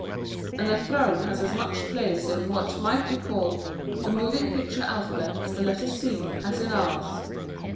And a throne has as much place in what might be called the moving picture alphabet as the letter C has in ours.